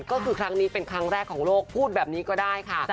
ก็คือครั้งนี้เป็นครั้งแรกของโลกพูดแบบนี้ก็ได้ค่ะ